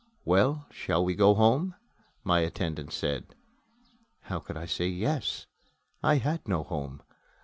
"Well, shall we go home?" my attendant said. How could I say, "Yes"? I had no home.